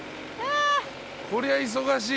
こりゃあ忙しい。